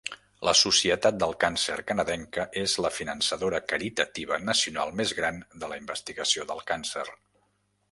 La Societat del Càncer canadenca és la finançadora caritativa nacional més gran de la investigació del càncer.